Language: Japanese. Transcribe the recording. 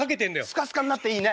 スカスカになっていいね。